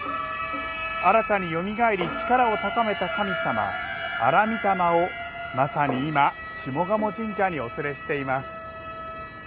新たによみがえり力を高めた神様荒御霊をまさに今下鴨神社にお連れしています。